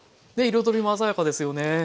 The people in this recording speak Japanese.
彩りも鮮やかですよね。